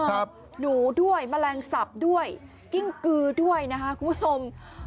หนูด้วยแมลงสับด้วยกิ้งกือด้วยนะคะคุณผู้ชม